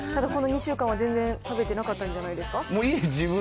ただこの２週間は全然食べてなかったんじゃないですか？